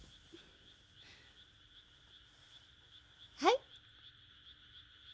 はい。